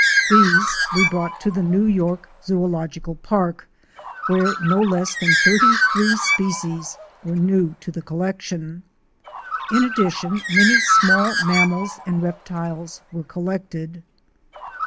These we brought to the New York Zoological Park, where no less than thirty three species were new to the collection. In addition many small mammals and reptiles were collected.